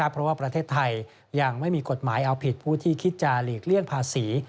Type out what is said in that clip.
เพราะว่าประเทศไทยยังไม่มีกฎหมายเอาผิดผู้ที่คิดจะหลีกเลี่ยงภาษี